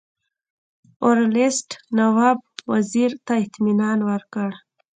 ورلسټ نواب وزیر ته اطمینان ورکړ.